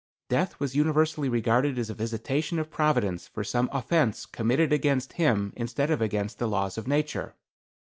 Death was universally regarded as a visitation of Providence for some offense committed against him instead of against the laws of nature.